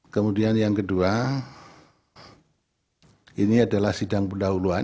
kemudian yang kedua ini adalah sidang pendahuluan